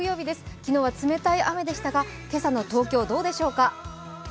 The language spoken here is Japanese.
昨日は冷たい雨でしたが今朝の東京どうでしょうか。